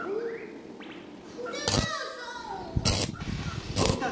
ふでばあさん？